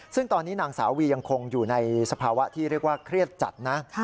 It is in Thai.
ซึ่งตอนนี้นางสาววียังคงอยู่ในสภาวะที่เรียกว่าเครียดจัดนะ